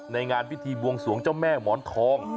ในงานพิธีบวงสวงเจ้าแม่หมอนทอง